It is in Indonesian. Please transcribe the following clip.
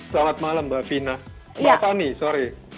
selamat malam mbak fina mbak fani sore